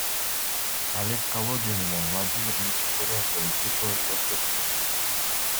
Олег Колодий менен Владимир Ничипуренко өзгөчө оюн көрсөттү.